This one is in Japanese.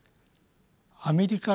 アメリカ